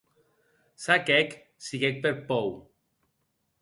S’ac hec, siguec per pòur.